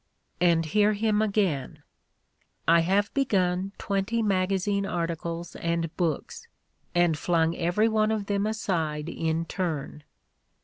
And hear him again: "I have begun twenty magazine arti cles and books — and flung every one of them aside in turn."